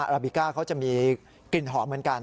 ราบิก้าเขาจะมีกลิ่นหอมเหมือนกัน